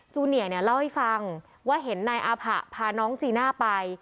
จูเนียเนี่ยเล่าให้ฟังว่าเห็นนายอาผะพาน้องจีน่าไป